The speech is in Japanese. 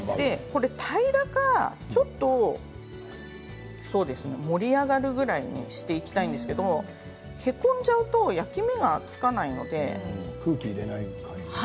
これ、平らか盛り上がるくらいにしていきたいんですけれどへこんじゃうと焼き目がつかないので。